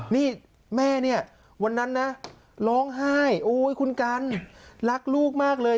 นี่แม่เนี่ยวันนั้นนะร้องไห้โอ้ยคุณกันรักลูกมากเลย